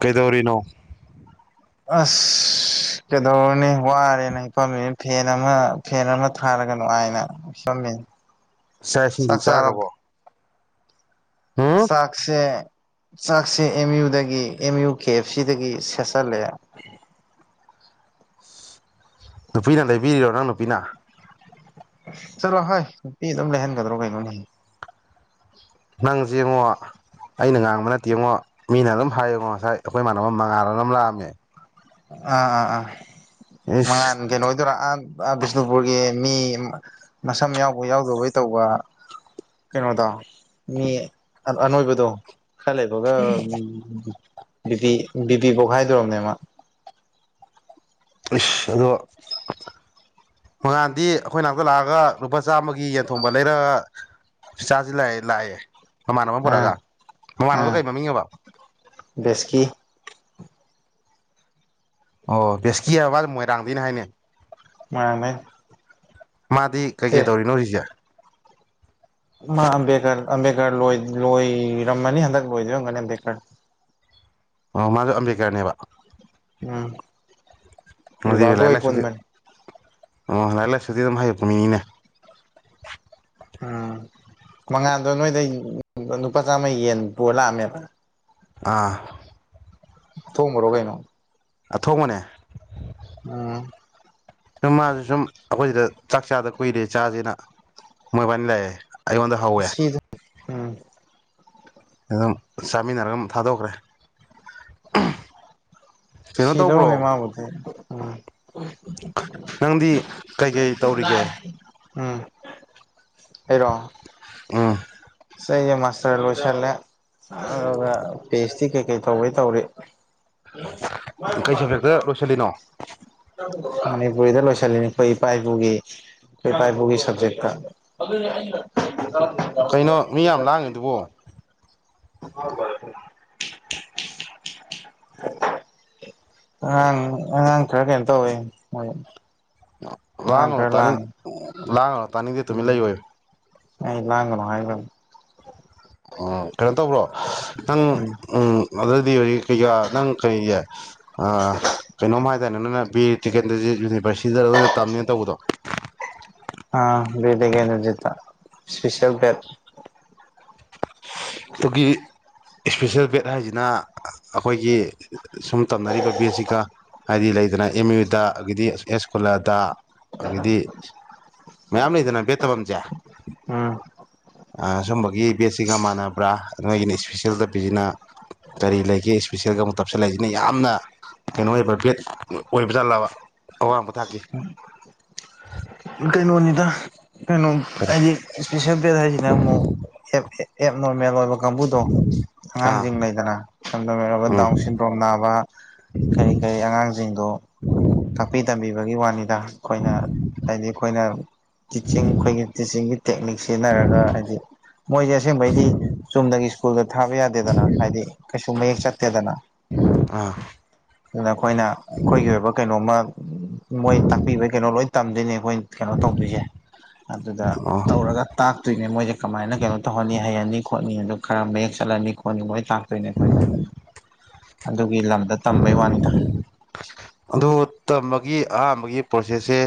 ꯀꯩꯗꯧꯔꯤꯅꯣ ꯑꯁ ꯀꯩꯗꯧꯔꯅꯤ ꯋꯥꯔꯦꯅ ꯍꯥꯏꯄꯥꯝꯃꯤꯅ ꯐꯦꯟ ꯑꯃ ꯐꯦꯟ ꯑꯃ ꯊꯥꯔꯒꯅ ꯅꯨꯡꯉꯥꯏꯅ [unintelligible] ꯆꯥꯛ ꯏꯁꯤꯡꯗꯤ ꯆꯥꯈ꯭ꯔꯕꯣ ꯎꯝ ꯆꯥꯛꯁꯦ ꯆꯥꯛꯁꯦ ꯑꯦꯝ ꯌꯨꯗꯒꯤ ꯑꯦꯝ ꯌꯨ ꯀꯦ ꯑꯦꯐ ꯁꯤꯗꯒꯤ ꯁꯦꯠꯆꯜꯂꯦ ꯅꯨꯄꯤꯅ ꯂꯩꯕꯤꯔꯤꯔꯣ ꯅꯪ ꯅꯨꯄꯤꯅ ꯆꯠꯂꯣ ꯍꯣꯏ ꯅꯨꯡꯇꯤ ꯑꯗꯨꯝ ꯂꯩꯍꯟꯒꯗ꯭ꯔꯣ ꯀꯩꯅꯣꯅꯤ ꯅꯪꯖꯦꯉꯣ ꯑꯩꯅ ꯉꯥꯡꯕ ꯅꯠꯇꯦ ꯌꯦꯡꯉꯣ ꯃꯤꯅ ꯑꯗꯨꯝ ꯍꯥꯏꯌꯦꯉꯣ ꯉꯁꯥꯏ ꯑꯩꯈꯣꯏ ꯏꯃꯥꯟꯅꯕ ꯃꯉꯥꯂ ꯑꯗꯨꯝ ꯂꯥꯛꯑꯝꯃꯦ ꯑꯥ ꯑꯥ ꯑꯥ ꯏꯁ ꯃꯉꯥꯟ ꯀꯩꯅꯣ ꯑꯣꯏꯗꯣꯏꯔꯥ ꯑ ꯕꯤꯁꯅꯨꯄꯨꯔꯒꯤ ꯃꯤ ꯃꯁꯝ ꯌꯥꯎꯕ ꯌꯥꯎꯗꯕꯩ ꯇꯧꯕ ꯀꯩꯅꯣꯗ ꯃꯤ ꯑꯅꯣꯏꯕꯗꯣ ꯈꯔ ꯂꯩꯕꯒ ꯕꯤ ꯕꯤ ꯄꯤ ꯄꯣꯈꯥꯏꯗꯣꯔꯕꯅꯦ ꯃꯥ ꯑꯗꯣ ꯃꯉꯥꯟꯗꯤ ꯑꯩꯈꯣꯏ ꯉꯅꯥꯛꯇ ꯂꯥꯛꯑꯒ ꯂꯨꯄꯥ ꯆꯥꯥꯃꯒꯤ ꯌꯦꯟꯊꯣꯡꯕ ꯂꯩꯔꯒ ꯆꯥꯁꯤ ꯂꯥꯛꯑꯦ ꯂꯥꯛꯑꯦ ꯃꯃꯥꯟ ꯑꯃ ꯑꯥ ꯄꯨꯔꯛꯑꯒ ꯃꯃꯥꯟꯅꯕꯗꯣ ꯑꯥ ꯀꯩ ꯃꯃꯤꯡꯉꯕ ꯕꯦꯁꯀꯤ ꯑꯣ ꯕꯦꯁꯀꯤ ꯍꯥꯏꯗꯤ ꯃꯣꯏꯔꯥꯡꯗꯒꯤꯅ ꯍꯥꯏꯅꯦ ꯃꯣꯢꯔꯥꯡꯗꯩꯅꯦ ꯃꯥꯗꯤ ꯀꯩꯀꯩ ꯇꯧꯔꯤꯅꯣ ꯍꯧꯖꯤꯛꯁꯦ ꯃꯥ ꯑꯝꯕꯦꯗꯀꯔ ꯑꯝꯕꯦꯗꯀꯔ ꯂꯣꯏꯔꯝꯃꯅꯤ ꯍꯟꯗꯛ ꯂꯣꯏꯗꯣꯏꯔꯝꯒꯅꯤ ꯑꯝꯕꯦꯗꯀꯔ ꯑꯣ ꯃꯥꯁꯨ ꯑꯝꯕꯦꯗꯀꯔꯅꯦꯕ ꯎꯝ ꯑꯗꯨꯗꯤ ꯔꯤꯋꯥꯜꯗꯣ ꯂꯥꯏꯔꯤꯛ ꯍꯣꯢ ꯂꯥꯏꯁꯨꯗꯤ ꯄꯨꯟꯕꯅꯤ ꯑꯣ ꯂꯥꯏꯔꯤꯛ ꯂꯥꯏꯁꯨꯗꯤ ꯑꯗꯨꯝ ꯍꯥꯏꯛꯄꯅꯤꯅꯦ ꯎꯝ ꯃꯉꯥꯗꯣ ꯅꯣꯏꯗ ꯂꯨꯄꯥ ꯆꯥꯝꯃ ꯌꯦꯟ ꯄꯨ ꯂꯥꯛꯑꯝꯃꯦꯕ ꯑꯥ ꯊꯣꯡꯃꯔꯣ ꯀꯩꯅꯣ ꯑꯊꯣꯡꯕꯅꯦ ꯎꯝ ꯁꯨꯝ ꯃꯥꯁꯨ ꯁꯨꯝ ꯑꯩꯈꯣꯏꯁꯤꯗ ꯆꯥꯛ ꯆꯥꯗ ꯀꯨꯏꯔꯦ ꯆꯥꯁꯤꯅ ꯃꯣꯏꯕꯥꯏꯅꯤ ꯂꯥꯛꯑꯦ ꯑꯩꯉꯣꯟꯗ ꯍꯧꯋꯦ ꯁꯤꯗ ꯎꯝ ꯑꯗꯨꯝ ꯆꯥꯃꯤꯟꯅꯔꯒ ꯑꯗꯨꯝ ꯊꯥꯗꯣꯛꯈ꯭ꯔꯦ ꯀꯩꯅꯣ ꯁꯤꯔꯣꯡ ꯑꯦ ꯇꯧꯕ꯭ꯔꯣ ꯃꯥꯕꯨꯊꯦ ꯅꯪꯗꯤ ꯀꯩꯀꯩ ꯇꯧꯔꯤꯒꯦ ꯂꯥꯏ ꯎꯝ ꯑꯩꯔꯣ ꯎꯝ ꯁ ꯃꯥꯁꯇꯔ ꯂꯣꯏꯁꯜꯂꯦ ꯑꯗꯨꯒ ꯄꯤ ꯑꯩꯁ ꯗꯤ ꯀꯩꯀꯩ ꯇꯧꯕꯩ ꯇꯧꯔꯤ ꯀꯩ ꯁꯕꯖꯦꯛꯇ ꯂꯣꯏꯁꯤꯜꯂꯤꯅꯣ [unintelligible] ꯃꯅꯤꯄꯨꯔꯤꯗ ꯂꯣꯏꯁꯤꯜꯂꯤꯅꯤ ꯑꯩꯈꯣꯏ ꯏꯄꯥ ꯏꯄꯨꯒꯤ ꯏꯄꯥ ꯏꯄꯨ ꯒꯤ ꯁꯕꯖꯦꯛꯇ ꯀꯩꯅꯣ ꯃꯤ ꯌꯥꯝ ꯂꯥꯡꯉꯤꯗꯨꯕꯣ [unintelligible] ꯍ ꯑꯡ ꯑꯉꯥꯡ ꯈꯔ ꯀꯩꯅꯣ ꯇꯧꯋꯦ ꯃꯣꯏ ꯑꯉꯥꯡ ꯂꯥꯡꯒꯅꯣ ꯈꯔ ꯇꯥꯅꯤꯡ ꯂꯥꯡꯉꯦ ꯎꯝ ꯂꯥꯡ ꯑꯩ ꯂꯥꯡꯒ ꯅꯨ ꯍꯥꯏꯗꯔꯣ ꯎꯝ ꯀꯩꯅꯣ ꯇꯧꯕ꯭ꯔꯣ ꯅꯪ ꯎꯝ ꯑꯗꯨꯗꯤ ꯍꯧꯖꯤꯛ ꯀꯩꯀꯥ ꯅꯪ ꯀꯩꯌꯦ ꯑꯥ ꯀꯩꯅꯣꯝ ꯍꯥꯏꯗꯥꯏꯅꯦ ꯅꯪꯅ ꯕꯤꯔ ꯇꯤꯀꯦꯟꯗꯔ꯭ꯖꯤꯠ ꯌꯨꯅꯤꯚꯔꯁꯤꯇꯤꯗꯔꯣ ꯈꯣꯏꯅ ꯇꯝꯅꯤꯅ ꯇꯧꯕꯗꯣ ꯑꯥ ꯕꯤꯔ ꯇꯤꯀꯦꯟꯗꯔ꯭ꯖꯤꯠꯇꯥ ꯁꯄ꯭ꯤꯁꯦꯜ ꯕꯦꯗ ꯗꯨꯒꯤ ꯏꯁꯄꯤꯁꯦꯜ ꯕꯦꯗ ꯍꯥꯏꯁꯤꯅ ꯑꯩꯈꯣꯏꯒꯤ ꯁꯨꯝ ꯇꯝꯅꯔꯤꯕ ꯕꯦꯗꯁꯤꯒ ꯍꯥꯏꯗꯤ ꯂꯩꯗꯅ ꯑꯦꯝ ꯌꯨꯗ ꯑꯗꯒꯤꯗꯤ ꯑꯦꯁꯀꯨꯂꯥꯗ ꯑꯗꯒꯤꯗꯤ ꯃꯌꯥꯝ ꯂꯩꯗꯅ ꯕꯦꯗ ꯇꯝꯐꯝꯁꯦ ꯎꯝ ꯑ ꯁꯨꯝꯕꯒꯤ ꯕꯦꯗ ꯁꯤꯒ ꯃꯥꯅ ꯕ꯭ꯔꯥ ꯅꯣꯏꯒꯤꯅ ꯏꯁꯄꯤꯁꯦꯜ ꯇꯞꯄꯤꯁꯤꯅ ꯀꯔꯤ ꯂꯩꯒꯦ ꯏꯁꯄꯤꯁꯦꯜꯒ ꯑꯃꯨꯛ ꯇꯞꯁꯤꯜꯂꯛ ꯏꯁꯤꯅ ꯌꯥꯝꯅ ꯀꯩꯅꯣ ꯑꯣꯏꯕ ꯕꯦꯗ ꯑꯣꯏꯕ ꯖꯥꯠꯂꯕ ꯑꯋꯥꯡꯕ ꯊꯥꯛꯀꯤ ꯀꯩꯅꯣꯅꯤꯗ ꯀꯩꯅꯣ ꯀꯔꯤ ꯑꯩꯗꯤ ꯏꯁꯄꯤꯁꯦꯜ ꯕꯦꯠ ꯍꯥꯏꯁꯤꯅ ꯑꯃꯨꯛ ꯑꯦꯞ ꯑꯦ ꯑꯦꯞ ꯅꯣꯔꯃꯦꯜ ꯑꯣꯏꯕ ꯀꯥꯡꯕꯨꯗꯣ ꯑꯥ ꯑꯉꯥꯡꯁꯤꯡ ꯂꯩꯗꯅ ꯁꯝꯗꯝ ꯑꯣꯏꯔꯕ ꯎꯝ ꯗꯥꯎꯟ ꯁꯤꯟꯗ꯭ꯔꯣꯝ ꯅꯥꯕ ꯀꯔꯤ ꯀꯔꯤ ꯑꯉꯥꯡꯁꯤꯡꯗꯣ ꯇꯥꯛꯄꯤ ꯇꯝꯕꯤꯕꯒꯤ ꯋꯥꯅꯤꯗ ꯑꯩꯈꯣꯏꯅ ꯍꯥꯏꯗꯤ ꯑꯩꯈꯣꯏꯅ ꯇꯤꯆꯤꯡ ꯑꯩꯈꯣꯏꯒꯤ ꯇꯤꯆꯤꯡꯒꯤ ꯇꯦꯛꯅꯤꯛ ꯁꯤꯖꯤꯟꯅꯔꯒ ꯍꯥꯏꯗꯤ ꯃꯣꯏꯁꯦ ꯑꯁꯦꯡꯕꯩꯗꯤ ꯆꯨꯝꯅꯒꯤ ꯁ꯭ꯀꯨꯜꯗ ꯊꯥꯕ ꯌꯥꯗꯦꯗꯅ ꯍꯥꯏꯗꯤ ꯀꯩꯁꯨ ꯃꯌꯦꯛ ꯆꯠ ꯇꯦꯗꯅ ꯑꯥ ꯑꯗꯨꯅ ꯑꯩꯈꯣꯏꯅ ꯑꯩꯈꯣꯏꯒꯤ ꯑꯣꯏꯕ ꯀꯩꯅꯣꯝꯃ ꯃꯣꯏ ꯇꯥꯛꯄꯤꯕ ꯀꯩꯅꯣ ꯂꯣꯏ ꯇꯝꯗꯣꯏꯅꯦ ꯑꯩꯈꯣꯏ ꯀꯩꯅꯣ ꯇꯧꯗꯣꯏꯁꯦ ꯑꯗꯨꯗ ꯑꯣ ꯇꯧꯔꯒ ꯇꯥꯛꯇꯣꯏꯅꯦ ꯃꯣꯏꯁꯦ ꯀꯃꯥꯏꯅ ꯀꯩꯅꯣ ꯇꯧꯍꯟꯅꯤ ꯍꯩꯍꯟꯅꯤ ꯈꯣꯠꯅꯤꯗꯣ ꯈꯔ ꯃꯌꯦꯛ ꯆꯠꯂꯝꯅꯤ ꯈꯣꯠꯅꯤ ꯂꯣꯏ ꯇꯥꯛ ꯇꯥꯔꯦ ꯑꯗꯨꯣꯏꯅꯦ ꯑꯩꯈꯣꯏꯅ ꯑꯗꯨꯒꯤ ꯂꯝꯗ ꯇꯝꯕꯩ ꯋꯥꯅꯤꯗ ꯑꯗꯨ ꯇꯝꯕꯒꯤ ꯑꯍꯥꯟꯕꯒꯤ ꯄ꯭ꯔꯣꯁꯦꯁꯁꯦ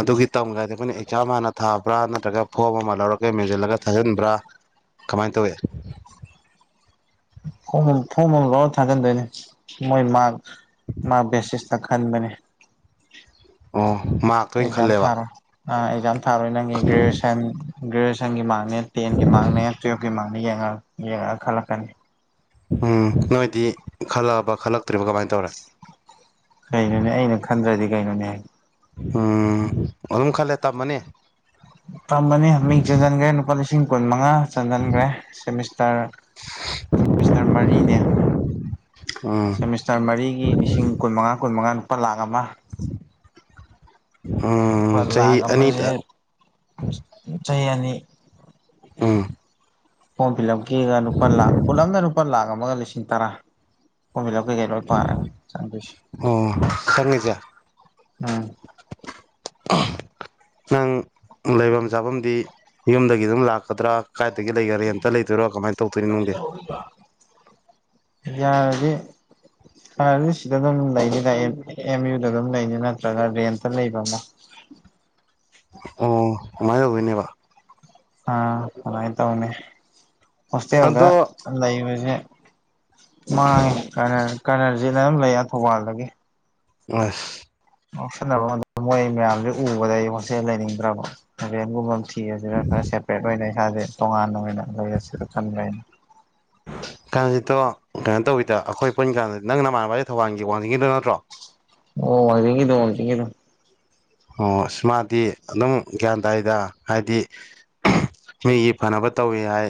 ꯑꯗꯨꯒꯤ ꯇꯝꯒ ꯍꯥꯏꯗꯤ ꯑꯩꯈꯣꯏꯅ ꯑꯦꯛꯖꯥꯝ ꯍꯥꯟꯅ ꯊꯥꯕ꯭ꯔꯥ ꯅꯠꯇ꯭ꯔꯒ ꯐꯣꯝ ꯑꯃ ꯂꯧꯔꯒ ꯃꯦꯟꯁꯤꯜꯂꯒ ꯊꯥꯖꯤꯟꯕ꯭ꯔꯥ ꯀꯃꯥꯏꯅ ꯇꯧꯋꯦ ꯐꯣꯝ ꯐꯣꯝ ꯑꯃ ꯂꯧꯔ ꯊꯥꯖꯟꯗꯣꯏꯅꯦ ꯃꯣꯏ ꯃꯥꯛ ꯃꯥꯛ ꯕꯦꯁꯤꯁ ꯇ ꯈꯟꯕꯅꯦ ꯑꯣ ꯃꯥꯛꯇ ꯑꯣꯏꯅ ꯑꯦꯛꯖꯥꯝ ꯈꯜꯂꯦꯕ ꯊꯥꯔꯣꯏ ꯑꯥ ꯑꯦꯛꯖꯥꯝ ꯊꯔꯣꯏ ꯅꯪꯒꯤ ꯒ꯭ꯔꯦꯖꯨꯋꯌꯦꯁꯟ ꯒ꯭ꯔꯦꯖꯨꯋꯦꯁꯟꯒꯤ ꯃꯥꯔꯛꯅꯦ ꯇꯦꯟꯒꯤ ꯃꯥꯔꯛꯅꯦ ꯇꯨꯌꯦꯜꯞꯀꯤ ꯃꯥꯔꯛꯅꯦ ꯌꯦꯡꯉ ꯌꯦꯡꯉ ꯈꯜꯂꯛ ꯀꯅꯤ ꯎꯝ ꯅꯣꯏꯗꯤ ꯈꯜꯂꯛꯑꯕ ꯈꯜꯂꯛ ꯀꯩꯅꯣꯅꯦ ꯑꯩꯅ ꯈꯟꯗ꯭ꯔꯗꯤ ꯀꯩꯅꯣꯅꯦ ꯍꯦ ꯎꯝ ꯑꯗꯨꯝ ꯈꯜꯂꯦ ꯇꯝꯃꯅꯤ ꯇꯝꯕꯅꯤ ꯃꯤꯡ ꯆꯟꯁꯤꯟꯈ꯭ꯔꯦ ꯂꯨꯄꯥ ꯂꯤꯁꯤꯡ ꯀꯨꯟ ꯃꯉꯥ ꯆꯟꯍꯟꯈ꯭ꯔꯦ ꯁꯦꯃꯤꯁꯇꯔ ꯁꯦꯃꯤꯁꯇꯔ ꯃꯔꯤꯅꯦ ꯎꯝ ꯁꯦꯃꯤꯁꯇꯔ ꯃꯔꯤꯒꯤ ꯂꯤꯁꯤꯡ ꯀꯨꯟꯃꯉꯥ ꯀꯨꯟꯃꯉꯥ ꯂꯨꯄꯥ ꯂꯥꯛ ꯑꯃ ꯎꯝ ꯂꯨꯄꯥꯣꯏ ꯆꯍꯤ ꯂꯥꯛ ꯑꯃꯁꯦ ꯑꯅꯤꯇ ꯆꯍꯤ ꯑꯅꯤ ꯑꯥ ꯍꯣꯝ ꯐꯤꯂꯞꯀꯤꯒ ꯂꯨꯄꯥ ꯂꯥꯛ ꯄꯨꯂꯞꯅ ꯂꯨꯄꯥ ꯂꯥꯛ ꯑꯃꯒ ꯂꯤꯁꯤꯡ ꯇꯔꯥ ꯍꯣꯤꯂꯞ ꯄꯥꯔꯒ ꯆꯁ ꯑꯣ ꯆꯪꯉꯤꯁꯦ ꯎꯝ ꯅꯪ ꯂꯩꯐꯝ ꯆꯥꯐꯝꯗꯤ ꯌꯨꯝꯗꯒꯤ ꯑꯗꯨꯝ ꯂꯥꯛꯀꯗ꯭ꯔꯥ ꯀꯗꯥꯥꯏꯗꯒꯤ ꯂꯩꯒꯔꯥꯝꯇ ꯂꯩꯇꯣꯏꯔꯣ ꯀꯃꯥꯏ ꯇ ꯇꯧꯗꯣꯏꯅꯦ ꯅꯨꯡꯒꯤ ꯌꯥꯗꯒꯤ ꯐꯗꯤ ꯁꯤꯗ ꯑꯗꯨꯝ ꯂꯩꯅꯤꯅ ꯑꯦꯝ ꯌꯨꯗ ꯑꯗꯨꯝ ꯂꯩꯅꯤ ꯅꯠꯇ꯭ꯔꯒ ꯔꯦꯟꯇ ꯂꯩꯕ ꯑꯃ [inaudible] ꯑꯣ ꯀꯃꯥꯏꯅ ꯑꯣꯏꯣꯏꯅꯦꯕ ꯑꯥ ꯀꯃꯥꯏꯅ ꯇꯧꯅꯤ ꯍꫭꯁꯇꯜꯒ ꯑꯗꯣ ꯂꯩꯕꯁꯦ ꯃꯥꯡꯉꯦ ꯀꯅ ꯀꯅꯜꯁꯤ ꯑꯗꯨ ꯑꯗꯨꯝ ꯂꯩ ꯊꯧꯕꯥꯜꯗꯒꯤ ꯑꯁ ꯉꯎꯁꯟꯅꯕ ꯃꯣꯏ ꯃꯌꯥꯝꯁꯦ ꯎꯕꯗ ꯑꯩ ꯃꯣꯠꯁꯦ ꯂꯩꯅꯤꯡꯗ꯭ꯔꯕꯦꯟꯒꯨꯝꯕ ꯐꯤ ꯑꯁꯤꯗ ꯈꯔ ꯁꯦꯄꯔꯦꯠ ꯑꯣꯏꯅ ꯏꯁꯥꯁꯦ ꯇꯣꯉꯥꯟꯅ ꯑꯣꯏꯅ ꯂꯩꯔꯁꯨꯁꯨ ꯈꯟꯕꯅꯤ [inaudible] ꯀꯥꯔꯅꯥꯁꯤꯠꯇꯣ ꯀꯩꯅꯣ ꯇꯧꯋꯗ ꯑꯩꯈꯣꯏ ꯄꯨꯟ ꯀꯥꯟꯗ ꯅꯪ ꯅꯃꯥꯟꯅꯕꯁ ꯊꯧꯕꯥꯜꯒꯤ ꯋꯥꯡꯅꯤꯡꯤꯡꯒꯤꯗꯣ ꯅꯠꯇ꯭ꯔꯣ ꯑꯣ ꯋꯥꯡꯖꯤꯡꯒꯤꯗꫭ ꯑꯣ ꯃꯗꯤ ꯑꯗꯨꯝ ꯒ꯭ꯌꯥꯟ ꯇꯥꯥꯏꯗ ꯍꯥꯏꯗꯤ ꯃꯤꯒꯤ ꯐꯅꯕ ꯇꯧꯏꯤ ꯍꯥꯏ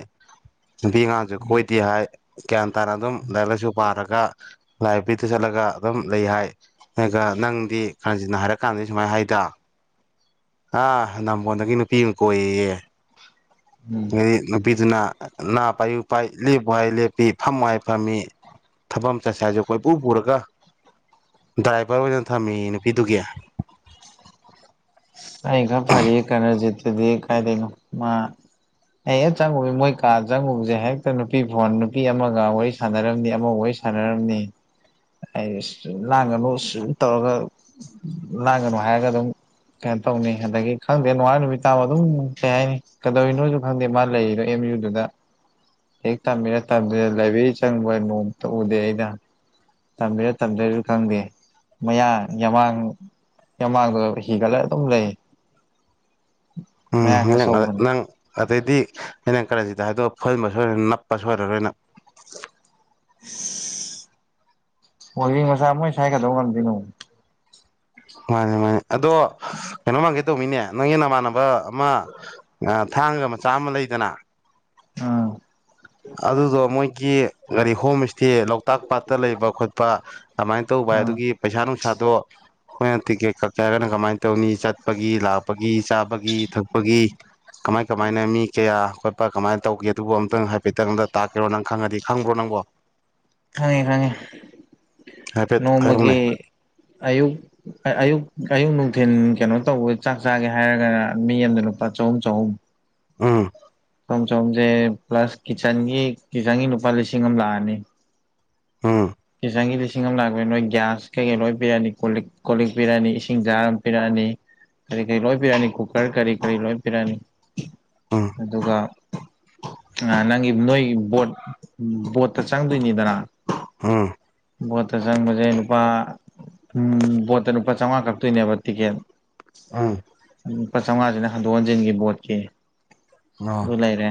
ꯅꯨꯄꯤꯉꯥꯡꯁꯨ ꯀꯣꯏꯗꯦ ꯍꯥꯏ ꯒ꯭ꯌꯥꯟ ꯇꯥꯅ ꯑꯗꯨꯝ ꯂꯥꯏꯔꯤꯛ ꯂꯥꯏꯁꯨ ꯄꯥꯔꯒ ꯂꯥꯏꯕꯦꯔꯤꯗ ꯆꯠꯂꯒ ꯑꯗꯨꯝ ꯂꯩ ꯍꯥꯏ ꯅꯪꯗꯤ ꯈꯔꯁꯤꯟꯅ ꯍꯥꯏꯔ ꯀꯥꯟꯗꯗꯤ ꯁꯨꯃꯥꯏꯅ ꯍꯥꯏꯗ ꯑ ꯅꯝꯕꯣꯟꯗꯒꯤ ꯅꯨꯄꯤ ꯑꯃ ꯀꯣꯏꯌꯦꯌꯦ ꯎꯝ ꯑꯗꯒꯤ ꯅꯨꯄꯤꯗꯨꯅ ꯅꯥ ꯄꯥꯏꯌꯨ ꯄꯥꯏ ꯂꯦꯞꯨ ꯍꯥꯏ ꯂꯦꯞꯄꯤ ꯐꯝ ꯍꯥꯏ ꯐꯝꯃꯤ ꯊꯕꯐꯝ ꯆꯠꯁꯦ ꯍꯥꯏꯔꯁꯖ ꯀꯣꯏꯄꯨ ꯄꯨꯔꯒ ꯗ꯭ꯔꯥꯏꯚꯔ ꯑꯣꯏꯅ ꯊꯝꯃꯤ ꯅꯨꯄꯤꯗꯨꯒꯤ ꯑꯩꯒ ꯐꯔꯤ ꯀꯅꯖꯤꯗꯤ ꯀꯥꯏꯗ ꯃꯥ ꯑꯩ ꯍꯦꯛ ꯆꯪꯉꯨꯕ ꯃꯣꯏ ꯀꯥ ꯆꯪꯉꯨꯕꯁꯦ ꯍꯦꯛꯇ ꯅꯨꯄꯤ ꯐꯣꯟ ꯅꯨꯄꯤ ꯑꯃꯒ ꯋꯥꯔꯤ ꯁꯥꯟꯅꯔꯝꯅꯤ ꯑꯃ ꯋꯥꯔꯤ ꯁꯗꯔꯅꯤ ꯑꯩ ꯂꯥꯡꯒꯅꯨ ꯁꯨꯝ ꯇꯧꯔꯒ ꯂꯥꯡꯒꯅꯨ ꯍꯥꯏꯔꯒ ꯑꯗꯨꯝ ꯀꯩꯅꯣ ꯇꯧꯅꯤ ꯑꯗꯒꯤ ꯈꯪꯗꯦ ꯅꯨꯡꯉꯥꯏ ꯅꯨꯃꯤꯠ ꯇꯥꯕ ꯑꯗꯨꯝ ꯀꯩ ꯍꯥꯏꯅꯤ ꯀꯩꯗꯧꯔꯤꯅꯣꯁꯨ ꯈꯪꯗꯦ ꯃꯥ ꯂꯩꯔꯤꯗꯣ ꯑꯦꯝ ꯌꯨ ꯗꯨꯗ ꯍꯦꯛ ꯇꯝꯃꯤꯔ ꯇꯗꯨꯗ ꯂꯥꯏꯕ꯭ꯔꯦꯔꯤ ꯆꯪꯕ ꯅꯣꯡꯃꯇ ꯎꯗꯦ ꯑꯩꯅ ꯇꯝꯕꯤꯔ ꯇꯝꯕꯤꯔ ꯈꯪꯗꯦ ꯃꯌꯥ ꯌꯥꯝꯃꯥꯡ ꯌꯥꯝꯃꯥꯡꯗ ꯍꯤꯒꯠꯂ ꯑꯗꯨꯝ ꯂꯩ ꯎꯝ ꯃꯌꯥꯝ ꯅꯪ ꯈꯔꯆꯧꯕꯅꯤ ꯅꯪ ꯑꯗꯩꯗꯤ ꯑꯩꯅ ꯀꯔꯦꯟꯁꯤꯗ ꯍꯥꯏꯗꯣꯛ ꯐꯍꯟꯕ ꯁꯣꯏꯔ ꯅꯞꯄ ꯁꯣꯏꯔꯔꯣꯏꯅ ꯍꯖꯤ ꯃꯆꯥꯥ ꯃꯣꯏ ꯁꯥꯏꯒꯗꯧ ꯉꯗꯅꯣ ꯃꯥꯅꯤ ꯃꯥꯅꯤ ꯑꯗꯣ ꯀꯩꯅꯣ ꯃꯥꯟꯒꯦ ꯇꯧꯕꯅꯤꯅꯦ ꯅꯪꯒꯤ ꯅꯃꯥꯟꯅꯕ ꯑꯃ ꯊꯥꯡꯒ ꯃꯆꯥ ꯑꯃ ꯂꯩꯗꯅ ꯑꯥ ꯑꯗꯨꯗꯣ ꯃꯣꯏꯒꯤ ꯀꯒꯥꯔꯤ ꯍꯣꯝ ꯏꯁꯇꯦ ꯂꯣꯛꯇꯥꯛ ꯄꯥꯠꯇ ꯂꯩꯕ ꯈꯣꯠꯄ ꯑꯗꯨꯃꯥꯏꯅ ꯇꯧꯕ ꯚꯏ ꯎꯝ ꯑꯗꯨꯒꯤ ꯄꯩꯁꯥ ꯅꯨꯡꯁꯥꯗꯣ ꯑꯩꯈꯣꯏꯅ ꯇꯤꯛꯀꯦꯠ ꯀꯛꯀꯦ ꯍꯥꯏꯔꯒꯅ ꯀꯃꯥꯏꯅ ꯇꯧꯅꯤ ꯆꯠꯄꯒꯤ ꯂꯥꯛꯄꯒꯤ ꯆꯥꯕꯒꯤ ꯊꯛꯄꯒꯤ ꯀꯃꯥꯏ ꯀꯃꯥꯏꯅ ꯃꯤ ꯀꯌꯥ ꯈꯣꯠꯄ ꯀꯃꯥꯏꯅ ꯇꯧꯒꯦ ꯑꯗꯨꯕꯨ ꯑꯃꯇꯪ ꯍꯥꯏ ꯐꯇꯪꯗ ꯇꯥꯛꯀꯦꯔꯣ ꯅꯪ ꯈꯪꯉꯗꯤ ꯈꯪꯕ꯭ꯔꯣ ꯅꯪꯕꯣ ꯈꯪꯉꯦ ꯈꯪꯉꯦ ꯍꯥꯏꯐꯦꯠ ꯅꯣꯡꯃꯒꯤ ꯍꯥꯏꯔꯛꯎꯅꯦ ꯑꯌꯨꯛ ꯑꯌꯨꯛ ꯑꯌꯨꯛ ꯅꯨꯡꯊꯤꯟ ꯀꯩꯅꯣ ꯇꯧꯕ ꯆꯥꯛ ꯆꯥꯒꯦ ꯍꯥꯏꯔꯒꯅ ꯃꯤ ꯑꯃꯗ ꯂꯨꯄꯥ ꯆꯍꯨꯝ ꯆꯍꯨꯝ ꯑꯥ ꯁꯣꯝ ꯁꯣꯝꯁꯦ ꯄ꯭ꯂꯁ ꯀꯤꯆꯟꯒꯤ ꯀꯤꯆꯟꯒꯤ ꯂꯨꯄꯥ ꯂꯤꯁꯤꯡ ꯑꯃ ꯂꯥꯛꯑꯅꯤ ꯑꯝ ꯀꯆꯪꯒꯤ ꯂꯤꯁꯤꯡ ꯑꯃ ꯂꯥꯛꯄꯅꯤ ꯅꯣꯏ ꯒ꯭ꯌꯥꯁ ꯀꯩꯀꯩ ꯂꯣꯏ ꯄꯤꯔꯑꯅꯤ ꯀꯣꯛ ꯀꯣꯜ ꯂꯤꯛ ꯄꯤꯔꯑꯅꯤ ꯏꯁꯤꯡ ꯆꯖꯥꯔ ꯑꯃ ꯄꯤꯔꯛꯑꯅꯤ ꯀꯔꯤ ꯀꯔꯤ ꯂꯣꯏ ꯄꯤꯔꯅꯤ ꯀꯨꯀꯔ ꯀꯔꯤ ꯀꯔꯤ ꯂꯣꯏ ꯄꯤꯔꯛꯅꯤ ꯎꯝ ꯑꯗꯨꯒ ꯑ ꯅꯪꯒꯤ ꯅꯣꯏꯒꯤ ꯕꯣꯠ ꯕꯣꯠꯇ ꯆꯪꯗꯣꯏꯅꯤꯗꯅ ꯑꯥ ꯕꯣꯠꯇ ꯆꯪꯕꯁꯦ ꯂꯨꯄꯥ ꯎ ꯕꯣꯠꯇ ꯂꯨꯄꯥ ꯆꯥꯝꯃꯉꯥ ꯀꯛꯇꯣꯏꯅꯦꯕ ꯇꯤꯀꯦꯠ ꯎꯝ ꯂꯨꯄꯥ ꯆꯥꯝꯃꯉꯥꯁꯤꯅ ꯍꯟꯗꯣꯛ ꯍꯟꯖꯤꯟꯒꯤ ꯕꯣꯠꯀꯤ ꯎꯝ ꯑꯗꯨ ꯂꯩꯔꯦ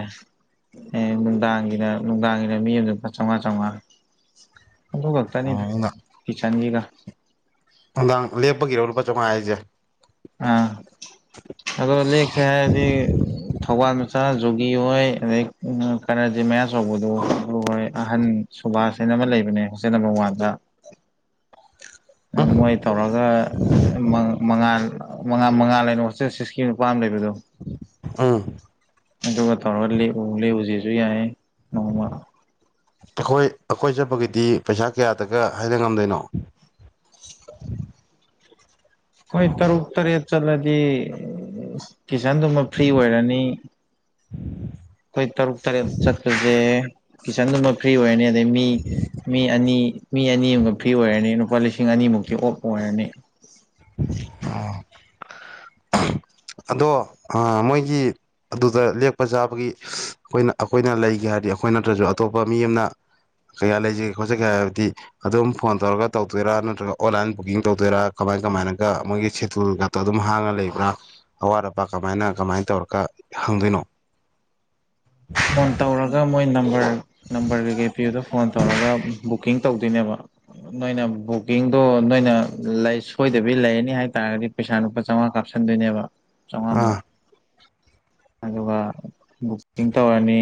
ꯑꯦ ꯅꯨꯡꯗꯥꯡꯒꯤꯗ ꯅꯨꯡꯗꯥꯡꯒꯤꯗ ꯃꯤ ꯑꯃ ꯆꯥꯝꯃꯉꯥ ꯆꯥꯝꯃꯉꯥ ꯑꯣꯥꯛꯛꯇꯅꯤ ꯑꯣ ꯍꯆꯥꯟꯒꯤ ꯀ ꯅꯨꯡꯗꯥꯡ ꯂꯦꯞꯄꯒꯤꯔꯣ ꯂꯨꯄꯥ ꯆꯥꯝꯃꯉꯥ ꯍꯥꯏꯁꯦ ꯑ ꯑꯗꯨꯗ ꯂ ꯁꯗꯤ ꯊꯧꯕꯥꯜ ꯃꯆꯥ ꯖꯨꯒꯤ ꯍꯣꯏ ꯑꯗꯩ ꯀꯔꯖꯤ ꯃꯌꯥꯆꯧꯕꯗꯣ ꯍꯣꯏ ꯑꯍꯟ ꯁꯨꯕꯥꯁꯟ ꯑꯃ ꯂꯩꯕꯅꯦ ꯍꯣꯁꯇꯦꯜ ꯅꯝꯕꯔ ꯋꯥꯟꯗ [inaudible] ꯃꯣꯏ ꯇꯧꯔꯒ ꯃꯉꯥ ꯃꯉꯥ ꯃꯉꯥ ꯂꯩꯅ ꯁꯤꯛꯁꯇꯤ ꯅꯨꯄꯥ ꯑꯃ ꯂꯩꯕ ꯑꯗꯨꯣ ꯑꯝ ꯑꯗꯨꯒ ꯇꯧꯔꯒ ꯂꯦꯛꯎ ꯂꯦꯛꯎꯁꯤꯁꯨ ꯌꯥꯏ ꯅꯣꯡꯃ ꯑꯩꯈꯣꯏ ꯑꯩꯈꯣꯏ ꯆꯠꯄꯒꯤꯗꯤ ꯄꯩꯁꯥ ꯀꯌꯥꯗꯒ ꯍꯥꯏꯅ ꯉꯝꯗꯣꯏꯅꯣ ꯎꯝ ꯑꯩꯣꯏ ꯇꯔꯨꯛ ꯇꯔꯦꯠ ꯆꯠꯂꯗꯤ ꯀꯤꯁꯟꯗꯨꯃ ꯐ꯭ꯔꯤ ꯑꯣꯏꯔꯅꯤ ꯑꯩꯈꯣꯏ ꯇꯔꯨꯛ ꯇꯔꯦꯠ ꯆꯠꯄꯁꯦ ꯀꯤꯆꯟꯗꯨꯃ ꯐ꯭ꯔꯤ ꯑꯣꯏꯔꯅꯤ ꯑꯗꯩ ꯃꯤ ꯃꯤ ꯑꯅꯤ ꯃꯤ ꯑꯅꯤꯃꯒ ꯐ꯭ꯤ ꯑꯣꯏꯔꯅꯤ ꯂꯨꯄꯥ ꯂꯤꯁꯤꯡ ꯑꯅꯤꯃꯨꯛꯀꯤ ꯑꯣꯞ ꯑꯣꯏꯔꯅꯤ [inaudible] ꯑꯗꯣ ꯑꯥ ꯃꯣꯏꯒꯤ ꯑꯗꯨꯗ ꯂꯦꯛꯄ ꯆꯥꯕꯒꯤ ꯑꯩꯈꯣꯏꯅ ꯑꯩꯈꯣꯏꯅ ꯂꯩꯒꯦ ꯍꯥꯏꯔꯗꯤ ꯑꯩꯈꯣꯏ ꯅꯠꯇ꯭ꯔꯁꯨ ꯑꯇꯣꯞꯄ ꯃꯤ ꯑꯃꯅ ꯀꯌꯥ ꯂꯩꯖꯒꯦ ꯈꯣꯠꯆꯒꯦ ꯍꯥꯏꯕꯗꯤ ꯑꯗꯨꯝ ꯐꯣꯟ ꯇꯧꯔꯒ ꯇꯧꯗꯣꯏꯔꯥ ꯅꯠꯇ꯭ꯔꯒ ꯑꯣꯟꯂꯥꯏꯟ ꯕꯨꯀꯤꯡ ꯇꯧꯗꯣꯏꯔꯥ ꯀꯃꯥꯏ ꯀꯃꯥꯏꯅꯒ ꯃꯣꯏꯒꯤ ꯁꯦꯇꯜꯒꯇꯣ ꯑꯗꯨꯝ ꯍꯥꯡꯉ ꯂꯩꯕ꯭ꯔꯥ ꯑꯋꯥꯠ ꯑꯄꯥ ꯀꯃꯥꯏꯅ ꯀꯃꯥꯏ ꯇꯧꯔꯒ ꯍꯪꯗꯣꯏꯅꯣ ꯐꯣꯟ ꯇꯧꯔꯒ ꯃꯣꯏ ꯅꯝꯕꯔ ꯅꯝꯕꯔ ꯀꯩꯀꯩ ꯄꯤꯌꯨꯗꯣ ꯐꯣꯟ ꯇꯧꯔꯒ ꯕꯨꯛꯀꯤꯡ ꯇꯧꯗꯣꯏꯅꯦꯕ ꯅꯣꯏꯅ ꯕꯨꯀꯤꯡꯗꯣ ꯅꯣꯏꯅ ꯁꯣꯏꯗꯕꯤ ꯂꯩꯔꯅꯤ ꯍꯥꯏꯇꯥꯔꯒꯗꯤ ꯄꯩꯁꯥ ꯂꯨꯄꯥ ꯆꯥꯝꯃꯉꯥ ꯀꯥꯞꯁꯤꯟ ꯈꯟꯗꯣꯏꯅꯦꯕ ꯑꯥ ꯆꯥꯝꯃꯉꯥꯃꯨꯛ ꯑꯗꯨꯒ ꯕꯨꯛꯀꯤꯡ ꯇꯧꯔꯅꯤ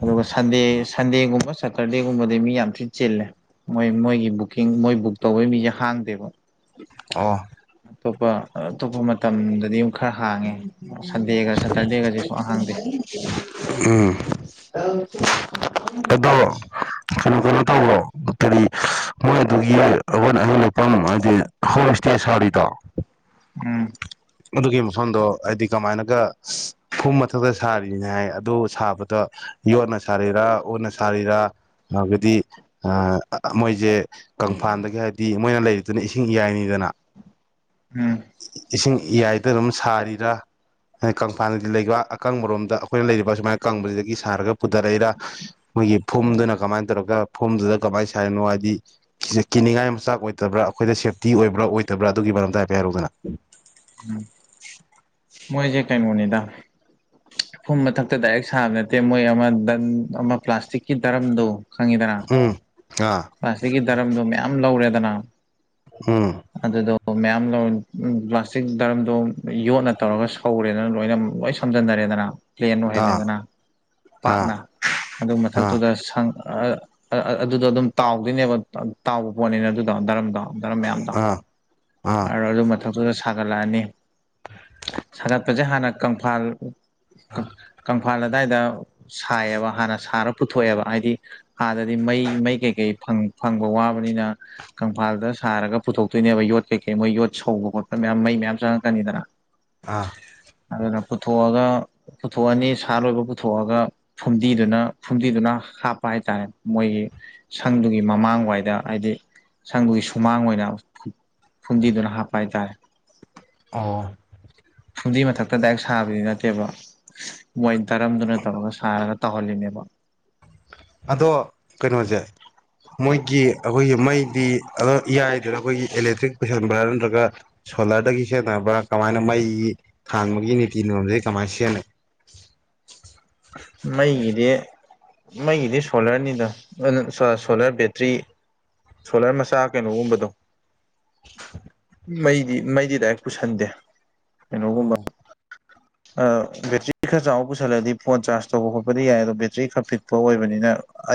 ꯑꯗꯨꯒ ꯁꯟꯗꯦ ꯁꯟꯗꯦꯒꯨꯝꯕ ꯁꯦꯇꯔꯗꯦꯒꯨꯝꯕꯗꯤ ꯃꯤ ꯌꯥꯝ ꯊꯤꯅ ꯆꯤꯜꯂꯦ ꯃꯣꯏ ꯃꯣꯏꯒꯤ ꯕꯨꯛꯀꯤꯡ ꯃꯣꯏ ꯕꯨꯛ ꯇꯧꯕꯩ ꯃꯤꯁꯦ ꯍꯥꯡꯗꯦꯕ ꯑꯣ ꯑꯇꯣꯞꯄ ꯑꯇꯣꯞꯄ ꯃꯇꯝꯗꯗꯤ ꯈꯔ ꯍꯥꯡꯉꯦ ꯎꯝ [unintelligible] ꯁꯟꯗꯦꯒ ꯁꯇꯔꯗꯦꯒꯁꯦ ꯁꯨꯡꯍꯥꯡ ꯍꯥꯡꯗꯦ ꯀꯩꯅꯣ ꯀꯩꯅꯣ ꯇꯧꯕ꯭ꯔꯣ ꯍꯥꯏꯗꯤ ꯃꯣꯏ ꯑꯗꯨꯒꯤ ꯑꯩꯈ ꯑꯍꯤꯡ ꯂꯛꯐꯝ ꯍꯥꯏꯗꯤ ꯍ ꯏꯁꯇꯦꯁꯔꯤꯗ ꯎꯝ ꯁꯣꯟꯗꯣ ꯍꯥꯏꯗꯤ ꯀꯃꯥꯏꯅꯒ ꯐꯨꯝ ꯃꯊꯛꯇ ꯁꯥꯔꯤꯅꯤ ꯍꯥꯏ ꯑꯗꯨ ꯁꯥꯕꯗ ꯌꯣꯅ ꯔꯤꯔ ꯎ ꯅ ꯁꯥꯔꯤꯔ ꯍꯥꯏꯕꯗꯤ ꯃꯣꯏꯁꯦ ꯀꯪꯐꯗ ꯍꯥꯏꯗꯤ ꯃꯣꯏꯅ ꯂꯩꯔꯤꯗꯨꯅ ꯏꯁꯤꯡ ꯏꯏꯅꯤꯗꯅ ꯎꯝ ꯏꯁꯤꯡ ꯏꯏꯗ ꯑꯗꯨꯝ ꯊꯥꯔꯤꯔ ꯀꯪꯐꯥꯗꯗꯤ ꯂꯩꯕ ꯑꯀꯪꯕꯔꯣꯝꯗ ꯑꯩꯈꯣꯏꯅ ꯂꯩꯔꯤꯕ ꯁꯨꯃꯥꯏꯅ ꯀꯪꯕꯁꯤꯗꯒꯤ ꯁꯥꯔꯒ ꯄꯨꯊꯔꯛꯏꯔꯥ ꯑꯩꯈꯣꯏꯒꯤ ꯐꯨꯝꯗꯨꯅ ꯀꯃꯥꯏꯅ ꯇꯧꯔꯒ ꯐꯨꯝꯗꯨꯗ ꯀꯃꯥꯏꯅ ꯁꯥꯥꯏꯔꯤꯅꯣ ꯍꯥꯏꯗꯤ ꯀꯤꯅꯤꯡꯉꯥꯏ ꯃꯆꯥꯛ ꯑꯣꯏꯗꯕ꯭ꯔꯥ ꯑꯩꯈꯣꯏꯗ ꯁꯦꯞꯇꯤ ꯑꯣꯏꯕ꯭ꯔꯥ ꯑꯣꯏꯗꯕ꯭ꯔꯥ ꯑꯗꯨꯒꯤ ꯃꯔꯝꯗꯥꯏꯐ ꯍꯥꯏꯔꯨꯗꯅ ꯎꯝ ꯃꯣꯏꯁꯦ ꯀꯩꯅꯣꯅꯤꯗ ꯃꯣꯅꯤꯗꯥ ꯐꯨꯝ ꯃꯊꯛꯇ ꯗꯥꯏꯔꯦꯛ ꯁꯥꯕ ꯅꯠꯇꯦ ꯃꯣꯏ ꯑꯃ ꯗꯟ ꯑꯃ ꯄ꯭ꯂꯥꯁꯇꯤꯛꯀꯤ ꯗꯔꯝꯗꯣ ꯈꯪꯉꯤꯗꯅ ꯎꯝ ꯑꯥ ꯃꯁꯤꯁꯤꯒꯤ ꯗꯔꯝꯗꯣ ꯃꯌꯥꯝ ꯂꯧꯔꯦꯗꯅ ꯎꯝ ꯑꯗꯨꯗꯣ ꯃ ꯂ ꯆ ꯗꯔꯝꯗꯣ ꯌꯣꯠꯅ ꯇꯧꯔꯒ ꯁꯧꯔꯦꯗꯅ ꯂꯣꯏꯅ ꯂꯣꯏ ꯁꯝꯖꯟꯟꯅꯔꯦꯗꯅ ꯄ꯭ꯂꯦꯟ ꯑꯥ ꯑꯣꯏꯍꯜꯂꯦꯗꯅ ꯑꯥ ꯄꯥꯛꯅ ꯑꯗꯨ ꯑꯥ ꯃꯊꯛꯇꯨꯗ ꯁꯪ ꯑꯗꯨꯗꯣ ꯑꯗꯨꯝ ꯇꯥꯎꯗꯣꯏꯅꯦꯕ ꯇꯥꯎꯕ ꯄꯣꯠꯅꯤꯅ ꯑꯗꯨꯗꯣ ꯗꯔꯝꯗꯣ ꯗꯅ ꯃꯌꯥꯝꯗꯣ ꯑꯥ ꯑꯥ ꯑꯗꯨ ꯑꯗꯨ ꯃꯊꯛꯇꯨꯗ ꯁꯥꯒꯠꯂꯛꯑꯅꯤ ꯁꯥꯒꯠꯄꯁꯦ ꯍꯥꯟꯅꯪꯐ ꯏꯝꯐꯥꯜ ꯑꯗꯨꯗꯥꯏꯗ ꯁꯥꯏꯑꯕ ꯍꯥꯟꯅ ꯁꯥꯔ ꯄꯨꯊꯣꯛꯑꯦꯕ ꯍꯥꯏꯗꯤ ꯍꯥꯟꯗꯗꯤ ꯃꯩ ꯃꯩ ꯀꯩꯀꯩ ꯐꯪꯕ ꯋꯥꯕꯅꯤꯅ ꯀꯪꯐꯥꯜꯗ ꯁꯥꯔꯒ ꯄꯨꯊꯣꯛꯇꯣꯏꯅꯦꯕ ꯌꯣꯠ ꯀꯩꯀꯩ ꯃꯣꯏ ꯌꯣꯠ ꯁꯧꯕ ꯈꯣꯠꯄ ꯣꯏ ꯃꯌꯥꯝ ꯃꯩ ꯃꯌꯥꯝ ꯆꯪꯉꯛꯀꯅꯤꯗꯅ ꯑꯥ ꯑꯗꯨꯅ ꯄꯨꯊꯣꯛꯑꯒ ꯄꯨꯊꯣꯛꯑꯅꯤ ꯁꯥ ꯂꯣꯏꯕ ꯄꯨꯊꯣꯛꯑꯒ ꯐꯨꯝꯗꯤꯗꯨꯅ ꯐꯨꯝꯗꯤꯗꯨꯅ ꯍꯥꯞꯄ ꯍꯥꯏꯇꯥꯔꯦ ꯃꯣꯏꯒꯤ ꯁꯪꯗꯨꯒꯤ ꯃꯃꯥꯡꯋꯥꯏꯗ ꯍꯥꯏꯗꯤ ꯁꯪꯗꯨꯒꯤ ꯁꯨꯃꯥꯡ ꯑꯣꯏꯅ ꯐꯨꯝꯗꯤꯗꯨꯅ ꯍꯥꯞꯄ ꯍꯥꯏꯇꯥꯥꯏ ꯑ ꯐꯨꯝꯗꯤ ꯃꯊꯛꯇ ꯗꯥꯏꯛ ꯁꯥꯕꯗꯤ ꯅꯠꯇꯦꯕ ꯃꯣꯏ ꯇꯔꯝꯗꯨꯅ ꯇꯧꯔꯒ ꯁꯥꯔꯒ ꯇꯧꯍꯜꯂꯤꯅꯦꯕ ꯑꯗꯣ ꯀꯩꯅꯣꯁꯦ ꯃꯣꯏꯒꯤ ꯑꯩꯈꯣꯏꯒꯤ ꯃꯩꯗꯤ ꯑ ꯏꯌꯥꯏꯗꯅ ꯑꯩꯈꯣꯏꯒꯤ ꯏꯂꯦꯛꯇ꯭ꯔꯤꯛ ꯄꯨꯩꯁꯟꯕ꯭ꯔꯥ ꯅꯠꯇ꯭ꯔꯒ ꯁꯣꯂꯔꯗꯒꯤ ꯁꯖꯤꯟꯅꯅꯕ꯭ꯔꯥ ꯀꯃꯥꯏꯅ ꯃꯩꯒꯤ ꯊꯥꯡꯥꯟꯕꯒꯤ ꯅꯤꯇꯤ ꯅꯤꯌꯣꯝꯁ ꯀꯃꯥꯏꯅ ꯁꯖꯤꯟꯅꯩ [inaudible] ꯃꯩꯒꯤꯗꯤ ꯃꯒꯤꯗꯤ ꯁꯣꯂꯔꯅꯤꯗ ꯑꯗꯨ ꯁꯣꯂꯔ ꯕꯦꯇ꯭ꯔꯤ ꯁꯣꯂꯔ ꯃꯆꯥ ꯀꯩꯅꯣꯒꯨꯝꯕꯗꯣ ꯃꯩꯗꯤ ꯃꯩꯗꯤ ꯂꯗꯥꯏꯦꯛ ꯄꯨꯁꯟꯗꯦ ꯀꯩꯅꯣꯒꯨꯝꯕ ꯑꯣ ꯕꯦꯇ꯭ꯔꯤ ꯈꯔ ꯆꯥꯎ ꯄꯨꯁꯜꯂꯛꯗꯤ ꯐꯣꯟ ꯆꯥꯔꯖ ꯇꯧꯕ ꯈꯣꯠꯄꯗꯤ ꯌꯥꯏ ꯑꯗꯣ ꯕꯦꯇ꯭ꯔꯤ ꯈꯔ ꯄꯤꯛꯄ ꯑꯣꯏꯕꯅꯤꯅ